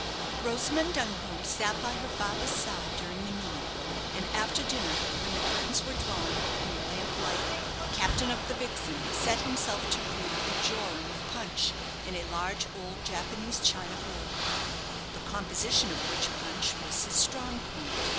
Rosamond Duncombe sat by her father's side during the meal; and after dinner, when the curtains were drawn, and the lamp lighted, the captain of the "Vixen" set himself to brew a jorum of punch in a large old Japanese china bowl, the composition of which punch was his strong point.